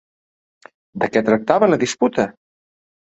De què tractava la disputa?